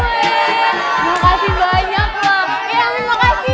makasih banyak wak